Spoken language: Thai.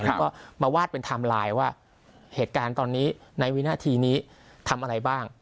แล้วก็มาวาดเป็นไทม์ไลน์ว่าเหตุการณ์ตอนนี้ในวินาทีนี้ทำอะไรบ้าง